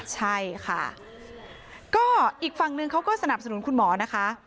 ใช่ค่ะก็อีกฝั่งหนึ่งเขาก็สนับสนุนคุณหมอนะคะ